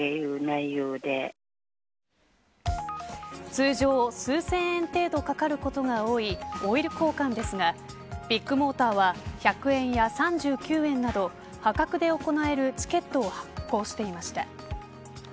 通常、数千円程度かかることが多いオイル交換ですがビッグモーターは１００円や３９円など破格で行えるチケットを発行していました。